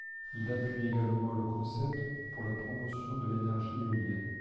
Il appuie également le concept pour la promotion de l’énergie éolienne.